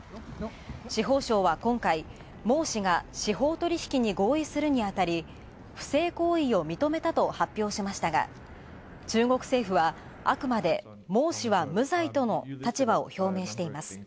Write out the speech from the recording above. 司法省は今回、孟氏が司法取引に合意するにあたり、不正行為を認めたと発表しましたが中国政府はあくまでも孟氏は無罪との立場を表明。